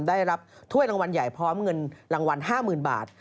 ได้รับถ้วยรางวัลใหญ่พร้อมเงินรางวัล๕๐๐๐บาท